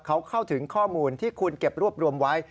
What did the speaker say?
เขาเข้าถึงข้อมูลที่คุณเก็บรวบรวมไว้